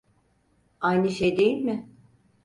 Aynı şey değil mi?